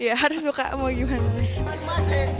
iya harus suka mau gimana